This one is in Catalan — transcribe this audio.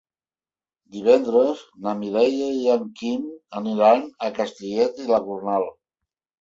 Divendres na Mireia i en Quim aniran a Castellet i la Gornal.